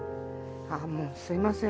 あっもうすみません。